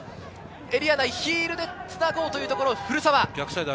エリア内ヒールでつなごうというところ、古澤。